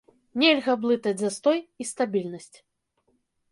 Нельга блытаць застой і стабільнасць.